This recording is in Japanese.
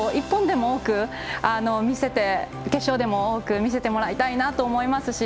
１本でも多く決勝でも多く見せてもらいたいなと思います。